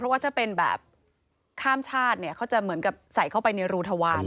ว่าถ้าเป็นแบบข้ามชาติเนี่ยเขาจะเหมือนกับใส่เข้าไปในรูทวาร